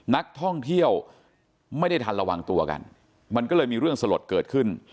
นักท่องเที่ยวไม่ได้ทันระวังตัวกันมันก็เลยมีเรื่องสลดเกิดขึ้น